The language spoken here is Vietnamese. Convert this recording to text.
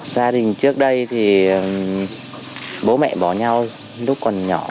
gia đình trước đây thì bố mẹ bỏ nhau lúc còn nhỏ